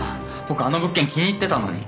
僕あの物件気に入ってたのに！